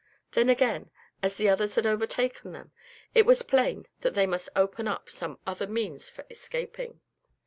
Then again, as the others had overtaken them, it was plain that they must open up some other means for escaping.